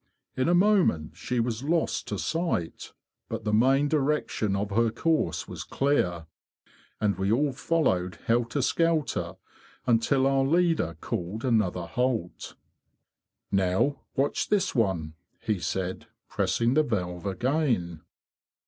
In a moment she was lost to sight, but the main direction of her course was clear; and we all followed helter skelter until our leader called another halt. " Now watch this one,' he said, pressing the valve again.